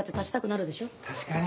確かに。